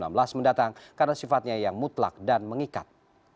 mendatang karena sifatnya yang mutlak dan mengikat